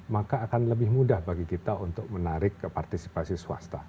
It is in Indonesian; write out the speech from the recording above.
maka akan lebih mudah bagi kita untuk menarik ke partisipasi swasta